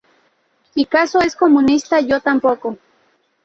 Picasso es comunista, yo tampoco".